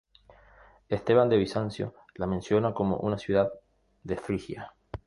Esteban de Bizancio la menciona como una ciudad de Frigia.